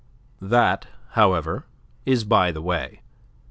That, however, is by the way.